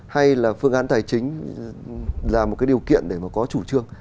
hay là phương án tài chính là một cái điều kiện để mà có chủ trương